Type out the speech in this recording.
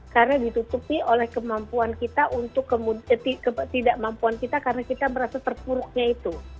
karena ditutupi oleh kemampuan kita untuk kemudian tidak mampuan kita karena kita merasa terpuruknya itu